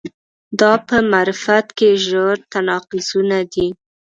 دا په معرفت کې ژور تناقضونه دي.